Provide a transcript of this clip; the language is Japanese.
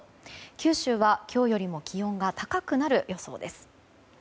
九州は今日よりも気温が高くなる予想です。